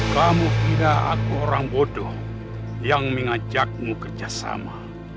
kamu kira aku orang bodoh yang mengajakmu kerjasama